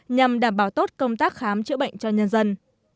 nhằm đảm bảo tốt công tác khám chữa bệnh cho nhân dân